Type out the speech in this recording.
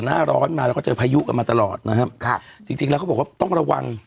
หน้าร้อนมาแล้วก็เจอพายุกันมาตลอดนะครับค่ะจริงจริงแล้วเขาบอกว่าต้องระวัง